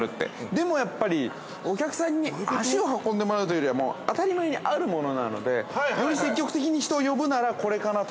でもやっぱり、お客さんに足を運んでもらうというよりは、もう当たり前にあるものなので、より積極的に人を呼ぶなら、これかなと。